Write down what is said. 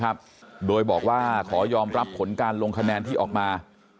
ครับโดยบอกว่าขอยอมรับผลการลงคะแนนที่ออกมา